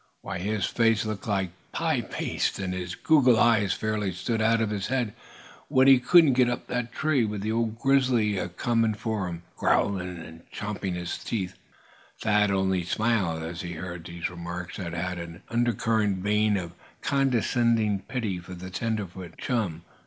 "Why, his face looked like pie paste, and his goggle eyes fairly stood out of his head when he couldn't get up in that tree, with the old grizzly a comin' for him, growlin', and champin' his teeth." Thad only smiled as he heard these remarks that had an undercurrent vein of condescending pity for the tenderfoot chum.